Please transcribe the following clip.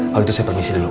kalau itu saya permisi dulu